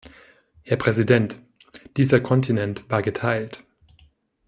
Herr Präsident, dieser Kontinent war geteilt.